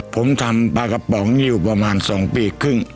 ผมทำปลากระป๋องอยู่ประมาณ๒ปีครึ่ง